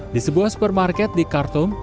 di sebuah supermarket di khartoum